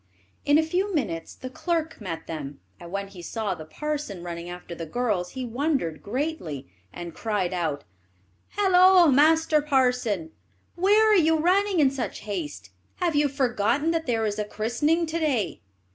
In a few minutes the clerk met them, and when he saw the parson runing after the girls, he wondered greatly, and cried out, "Halloa, master parson, where are you running in such haste? Have you forgotten that there is a christening to day?"